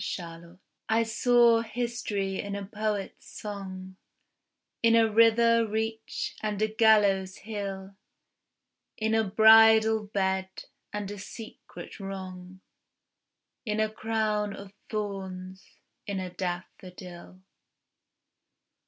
SYMBOLS I saw history in a poet's song, In a river reach and a gallows hill, In a bridal bed, and a secret wrong, In a crown of thorns: in a daffodil.